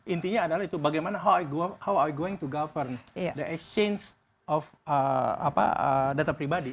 intinya adalah bagaimana how are you going to govern the exchange of data pribadi